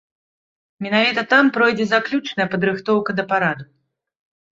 Менавіта там пройдзе заключная падрыхтоўка да параду.